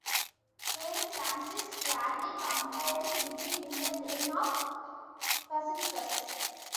Saint Francis gladly complied, giving him the name of Pacificus.